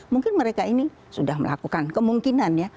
mungkin mereka ini sudah melakukan kemungkinan ya